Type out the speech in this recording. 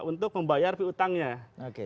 untuk membayar pihutangnya oke